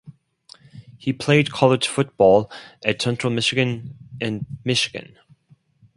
He played college football at Central Michigan and Michigan.